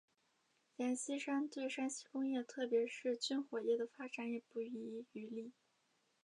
阎锡山对山西工业特别是军火业的发展也不遗余力。